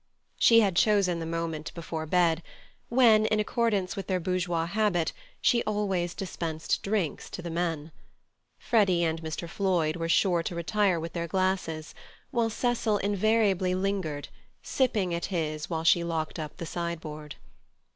She had chosen the moment before bed, when, in accordance with their bourgeois habit, she always dispensed drinks to the men. Freddy and Mr. Floyd were sure to retire with their glasses, while Cecil invariably lingered, sipping at his while she locked up the sideboard.